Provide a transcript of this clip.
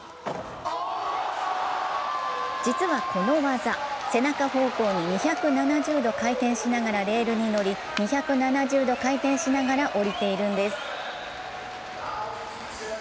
実はこの技、背中方向に２７０度回転しながらレールに乗り２７０度回転しながら降りているんです。